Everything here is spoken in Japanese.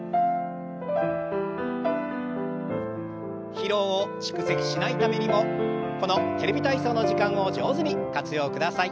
疲労を蓄積しないためにもこの「テレビ体操」の時間を上手に活用ください。